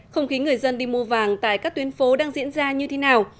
không khí người dân đi mua vàng tại các tuyến phố đang diễn ra như thế nào